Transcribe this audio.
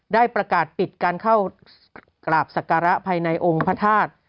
ได้ประกาศปิดการเข้ากราบศักระภายในองค์พระธาตุ